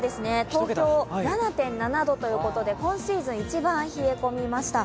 東京、７．７度ということで、今シーズン一番冷え込みました。